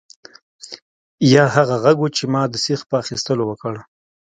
یا هغه غږ و چې ما د سیخ په اخیستلو وکړ